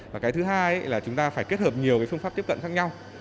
và cái thứ hai là chúng ta phải kết hợp nhiều phương pháp tiếp cận khác nhau